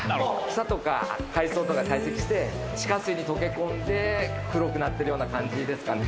草とか海藻とか堆積して地下水に溶け込んで黒くなってるような感じですかね。